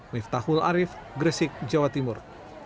miftahul arief gresik jawa timur